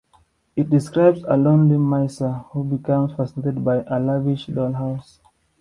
It describes a lonely miser who becomes fascinated by a lavish dollhouse.